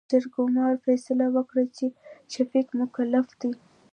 جرګمارو فيصله وکړه چې، شفيق مکلف دى.